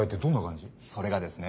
それがですね